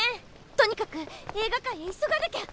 とにかく映画館へ急がなきゃ。